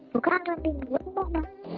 bukan mending gue mau